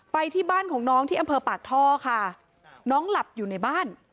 ไปที่บ้านของน้องที่อำเภอปากท่อค่ะน้องหลับอยู่ในบ้าน